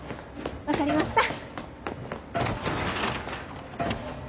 分かりました！